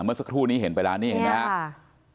เมื่อสักครู่นี้เห็นไปแล้วนี่เห็นไหมครับ